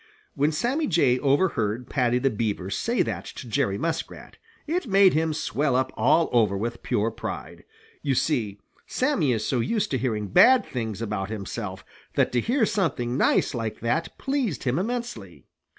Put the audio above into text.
When Sammy overheard Paddy the Beaver say that to Jerry Muskrat, it made him swell up all over with pure pride. You see, Sammy is so used to hearing bad things about himself that to hear something nice like that pleased him immensely.